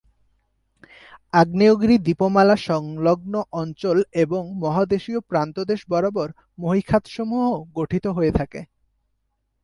আগ্নেয়গিরি দ্বীপমালা সংলগ্ন অঞ্চল এবং মহাদেশীয় প্রান্তদেশ বরাবর মহীখাতসমূহ গঠিত হয়ে থাকে।